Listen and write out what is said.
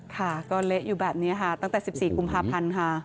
ค่ะก็เละอยู่แบบนี้ค่ะตั้งแต่๑๔กุมภาพันธ์ค่ะ